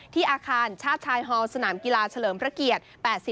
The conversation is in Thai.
อาคารชาติชายฮอลสนามกีฬาเฉลิมพระเกียรติ๘๐